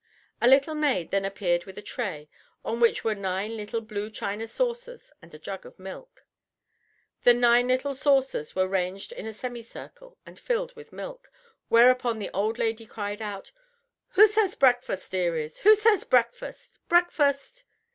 A little maid then appeared with a tray, on which were nine little blue china saucers and a jug of milk. The nine little saucers were ranged in a semicircle, and filled with milk, whereupon the old lady cried out, "Who says breakfast, dearies? Who says breakfast breakfast?"